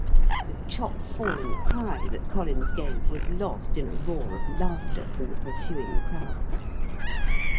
The chop fallen cry that Collins gave was lost in a roar of laughter from the pursuing crowd.